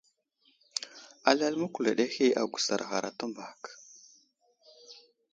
Alal məkuled ahe agusar ghar a təmbak.